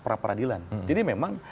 pra peradilan jadi memang